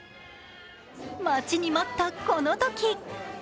待ちに待ったこのとき。